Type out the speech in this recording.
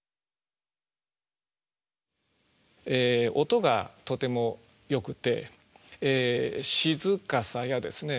音がとてもよくて「閑さや」ですね。